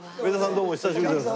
どうもお久しぶりです。